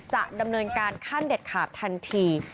จะดำเนินการขั้นเด็ดขาดทันที